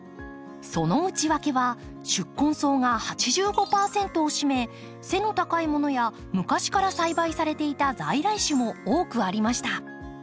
その内訳は宿根草が８５％を占め背の高いものや昔から栽培されていた在来種も多くありました。